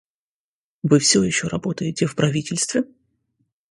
Вы всё еще работаете в правительстве?